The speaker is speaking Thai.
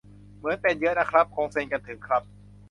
เหมือนเป็นเยอะนะครับ คงเซ็งกันถึง ครับ